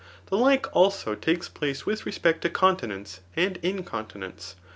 The like, also, tsdces place with respect to continence and incontinence.